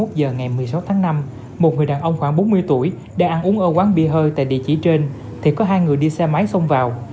hai mươi giờ ngày một mươi sáu tháng năm một người đàn ông khoảng bốn mươi tuổi đang ăn uống ở quán bia hơi tại địa chỉ trên thì có hai người đi xe máy xông vào